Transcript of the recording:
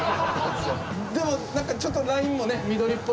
でも何かちょっとラインもね緑っぽいですし。